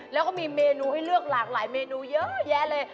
แล้วก็มีเมนูให้เลือกหลากหลายเมนูเยอะแยะเลย